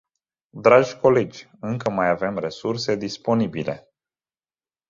Dragi colegi, încă mai avem resurse disponibile.